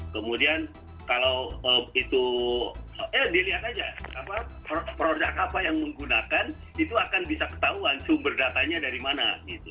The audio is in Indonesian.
kemudian kalau itu dilihat aja produk apa yang menggunakan itu akan bisa ketahuan sumber datanya dari mana